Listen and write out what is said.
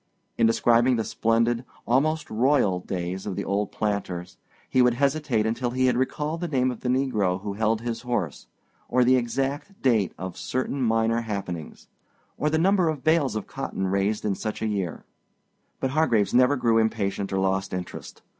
In describing the splendid, almost royal, days of the old planters, he would hesitate until he had recalled the name of the negro who held his horse, or the exact date of certain minor happenings, or the number of bales of cotton raised in such a year; but Hargraves never grew impatient or lost interest.